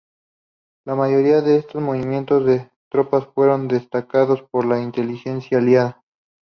La mayoría de estos movimientos de tropas fueron detectados por la inteligencia aliada.